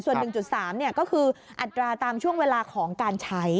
ส่วน๑๓ก็คืออัตราตามช่วงเวลาของการใช้